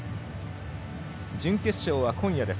準決勝は今夜です。